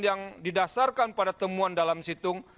yang didasarkan pada temuan dalam situng